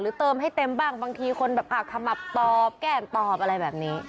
เติมให้เต็มบ้างบางทีคนแบบขมับตอบแก้มตอบอะไรแบบนี้